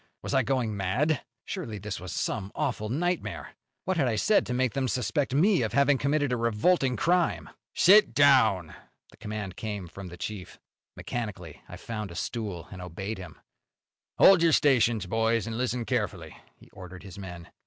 Was I going mad? Surely this was some awful nightmare! What had I said to make them suspect me of having committed a revolting crime? "Sit down!" The command came from the chief. Mechanically I found a stool, and obeyed him. "Hold your stations, boys, and listen carefully," he ordered his men.